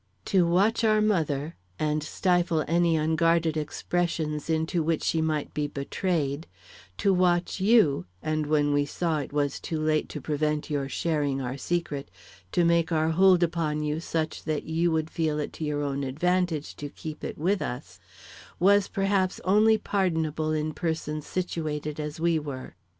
To watch our mother, and stifle any unguarded expressions into which she might be betrayed, to watch you, and when we saw it was too late to prevent your sharing our secret, to make our hold upon you such that you would feel it to your own advantage to keep it with us, was perhaps only pardonable in persons situated as we were.